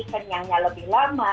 kenyangnya lebih lama